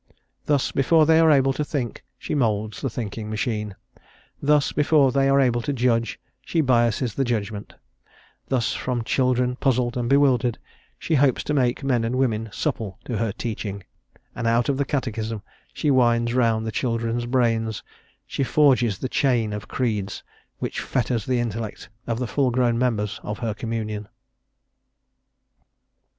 Thus, before they are able to think, she moulds the thinking machine; thus, before they are able to judge, she biases the judgment; thus, from children puzzled and bewildered, she hopes to make men and women supple to her teaching, and out of the Catechism she winds round the children's brains, she forges the chain of creeds which fetters the intellect of the full grown members of her communion.